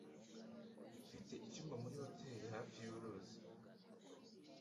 afite icyumba muri hoteri hafi yuruzi.